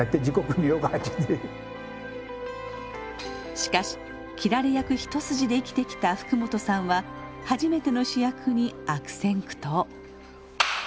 しかし斬られ役一筋で生きてきた福本さんは初めての主役に悪戦苦闘。